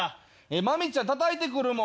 マミちゃんたたいてくるもん。